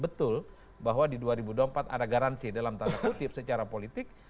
betul bahwa di dua ribu dua puluh empat ada garansi dalam tanda kutip secara politik